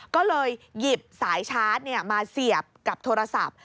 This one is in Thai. ก็เลยหยิบสายชาร์จมาเสียบกับโทรศัพท์